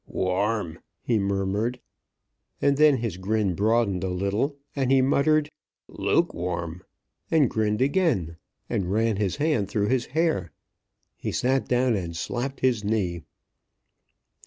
"Warm!" he murmured, and then his grin broadened a little, and he muttered "Lukewarm!" and grinned again, and ran his hand through his hair. He sat down and slapped his knee.